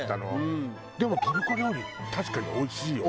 でもトルコ料理確かにおいしいよね。